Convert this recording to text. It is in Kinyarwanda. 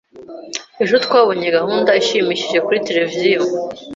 Ejo twabonye gahunda ishimishije kuri tereviziyo.